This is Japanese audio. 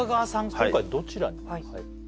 今回どちらに？